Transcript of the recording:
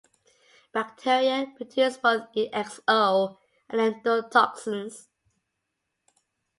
Bacteria produce both exo- and endotoxins.